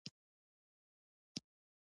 پرون دلته د باران وړاندوینه شوې وه.